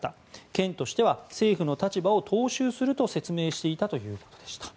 県としては政府の立場を踏襲すると説明していたということでした。